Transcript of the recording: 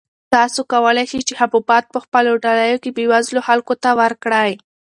تاسو کولای شئ چې حبوبات په خپلو ډالیو کې بېوزلو خلکو ته ورکړئ.